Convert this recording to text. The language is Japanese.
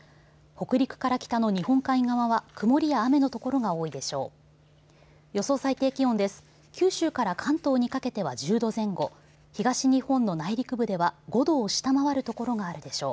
北陸から北の日本海側は曇りや雨の所が多いでしょう。